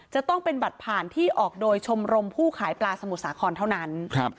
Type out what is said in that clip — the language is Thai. จะต้องเป็นบัตรผ่านที่ออกโดยชมรมผู้ขายปลาสมุทรสาครเท่านั้น